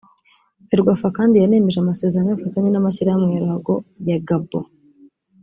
Ferwafa kandi yanemeje amasezerano y’ubufatanye n’amashyirahamwe ya ruhago ya Gabon